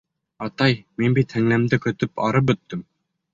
Атай, мин бит һеңлемде көтөп арып бөттөм.